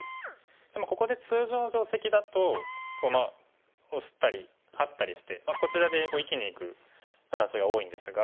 でもここで通常の定石だとまあオシたりハッたりしてこちらで生きにいく形が多いんですが。